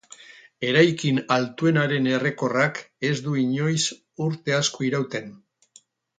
Eraikin altuenaren errekorrak ez du inoiz urte asko irauten.